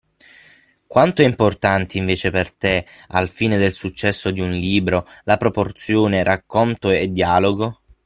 Quanto è importante invece per te, al fine del successo di un libro, la proporzione racconto e dialogo?